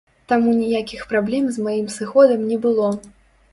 Таму ніякіх праблем з маім сыходам не было.